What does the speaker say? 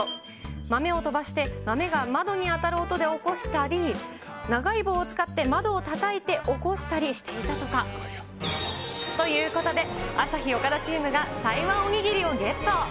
豆を飛ばして豆が窓に当たる音で起こしたり、長い棒を使って窓をたたいて起こしたりしていたとか。ということで、朝日・岡田チームが台湾お握りをゲット。